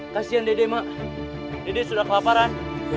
kasian deden mak deden sudah kelaparan